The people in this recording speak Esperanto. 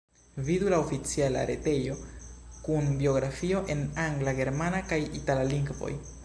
Vidu la oficiala retejo kun biografio en angla, germana kaj itala lingvoj.